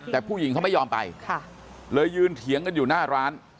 แต่ผู้หญิงเขาไม่ยอมไปเลยยืนเถียงกันอยู่หน้าร้าน